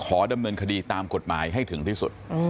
ขอดำเนินคดีตามกฎหมายให้ถึงที่สุด